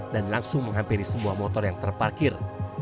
dan langsung menghampiri sebuah motor yang terparkir